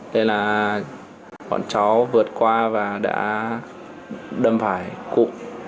thế là bọn chó vượt qua và đã đâm phải cụ